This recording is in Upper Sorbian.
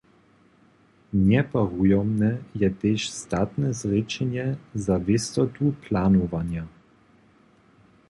Njeparujomne je tež statne zrěčenje za wěstotu planowanja.